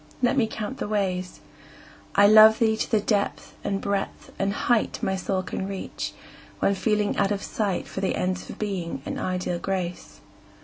Let me count the ways. I love thee to the depth and breadth and height My soul can reach, when feeling out of sight For the ends of Being and ideal Grace.